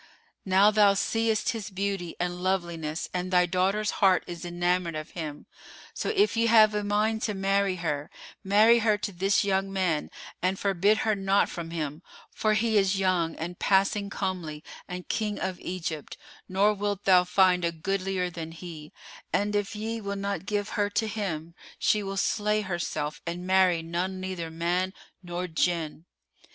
Now thou seest his beauty and loveliness, and thy daughter's heart is enamoured of him; so if ye have a mind to marry her, marry her to this young man and forbid her not from him for he is young and passing comely and King of Egypt, nor wilt thou find a goodlier than he; and if ye will not give her to him, she will slay herself and marry none neither man nor Jinn.